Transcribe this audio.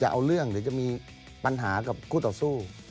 เอาเรื่องหรือจะมีปัญหากับคู่ต่อสู้